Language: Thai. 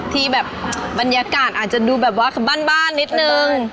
ที่แบบบรรยากาศอาจจะดูแบบว่าบ้านนิดนึง